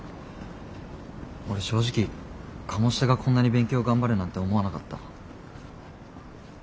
俺正直鴨志田がこんなに勉強頑張るなんて思わなかった。